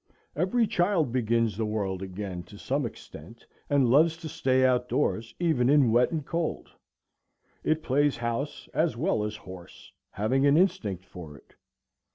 Every child begins the world again, to some extent, and loves to stay out doors, even in wet and cold. It plays house, as well as horse, having an instinct for it.